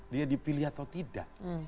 dia dipilih atau tidak